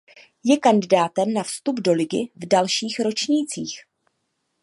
Je kandidátem na vstup do ligy v dalších ročnících.